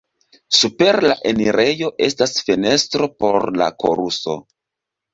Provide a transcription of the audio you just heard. Super la enirejo estas fenestro por la koruso.